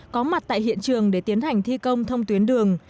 có mặt tại hiện trường để tiến hành thi công thông tuyến đường